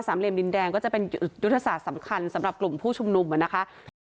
เหลี่ยมดินแดงก็จะเป็นอีกยุทธศาสตร์สำคัญสำหรับกลุ่มผู้ชุมนุมอ่ะนะคะ